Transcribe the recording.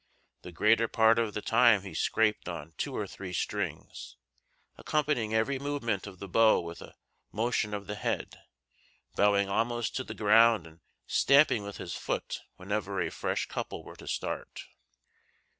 The greater part of the time he scraped on two or three strings, accompanying every movement of the bow with a motion of the head, bowing almost to the ground and stamping with his foot whenever a fresh couple were to start.